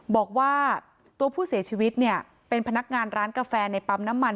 บอกว่าตัวผู้เสียชีวิตเนี่ยเป็นพนักงานร้านกาแฟในปั๊มน้ำมัน